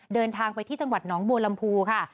เดินทางไปที่จังหวัดหนองบัวลำพูค่ะ